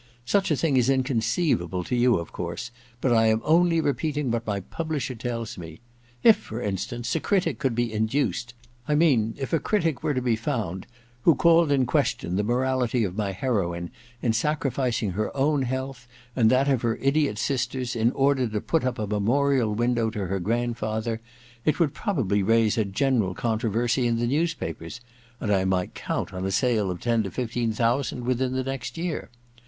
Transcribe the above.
^Such a thing is inconceivable to you, of course ; but I am only repeating what my publisher tdls me. If, for instance, a critic could be induced — I mean, if a critic were to be found, who called in question the morality of my heroine in sacrificing her own health and that of her idiot sisters in order to put up a memorial window to her grand father, it would probably raise a general contro versy in the newspapers, and I might count on a sale of ten or fifteen thousand within the next year.